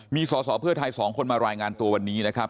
มีสอสอเพื่อไทย๒คนมารายงานตัววันนี้นะครับ